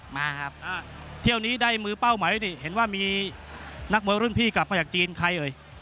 ไม่ได้มือเป้าใหม่ด้วยนี่เห็นว่ามีนักมวยรุ่นพี่กลับมาจากจีนใครเอ๋ย